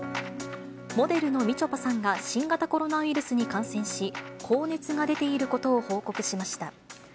モデルのみちょぱさんが新型コロナウイルスに感染し、高熱が出ていることを報告しました。